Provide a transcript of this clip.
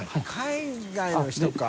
海外の人か。